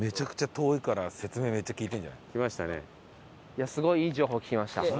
いやすごいいい情報を聞けました。